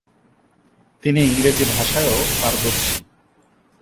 তিনি ইংরেজি ভাষায়ও পারদর্শী।